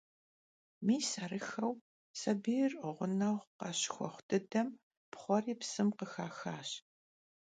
Mis arıxxeu, sabiyr ğuneğu khışıxuexhu dıdem, pxhueri psım khıxixaş.